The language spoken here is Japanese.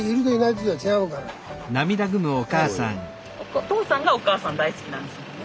おとうさんがおかあさん大好きなんですもんね。